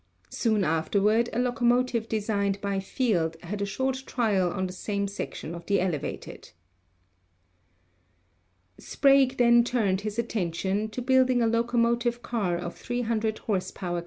Soon afterward a locomotive designed by Field had a short trial on the same section of the elevated. Sprague then turned his attention to building a loco ELECTRIC RAILWAYS 289 motive car of 300 hp.